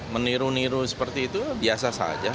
meniru niru seperti itu biasa saja